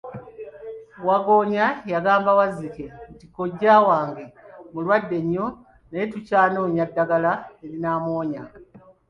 Waggoonya yagamba Wazzike nti, Kojja wange mulwadde nnyo naye tukyanoonya ddagala erinamuwonya.